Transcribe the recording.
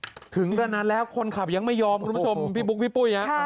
ถึงกระนั้นแล้วคนขับยังไม่ยอมคุณผู้ชมพี่บุ๊คพี่ปุ้ยฮะ